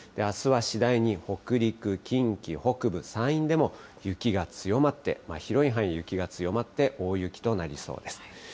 あすは次第に北陸、近畿北部、山陰でも雪が強まって、広い範囲で雪が強まって、大雪となりそうです。